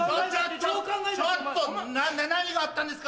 ちょっと何があったんですか？